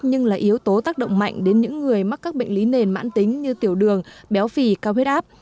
nhưng là yếu tố tác động mạnh đến những người mắc các bệnh lý nền mãn tính như tiểu đường béo phì cao huyết áp